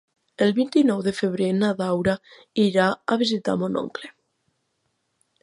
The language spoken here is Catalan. El vint-i-nou de febrer na Duna irà a visitar mon oncle.